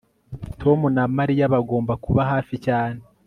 Tom na Mariya bagomba kuba hafi cyane